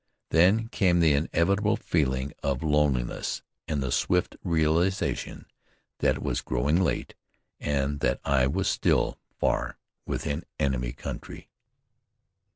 Then came the inevitable feeling of loneliness, and the swift realization that it was growing late and that I was still far within enemy country.